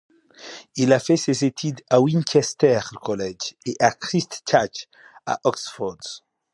Il a fait ses études à Winchester College et à Christ Church, à Oxford.